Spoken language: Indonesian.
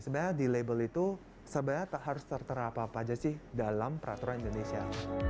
sebenarnya di label itu sebenarnya tak harus tertera apa apa aja sih dalam peraturan indonesia